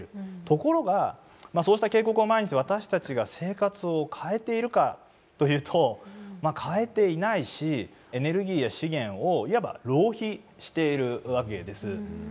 ところがそうした警告を前にして私たちが生活を変えているかというと変えていないしエネルギーや資源をいわば浪費しているわけです。